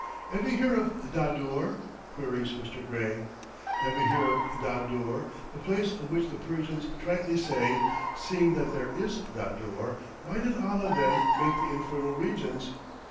"Ever hear of Dadur?" queries Mr. Gray. "Ever hear of Dadur, the place of which the Persians tritely say: 'Seeing that there is Dadur, why did Allah, then, make the infernal regions?'